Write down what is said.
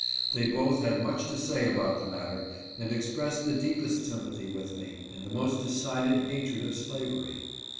They both had much to say about the matter, and expressed the deepest sympathy with me, and the most decided hatred of slavery.